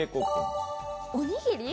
おにぎり？